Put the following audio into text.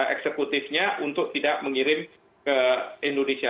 eksekutifnya untuk tidak mengirim ke indonesia